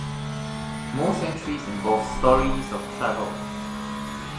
Most entries involved stories of travel.